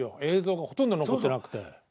映像がほとんど残ってなくて。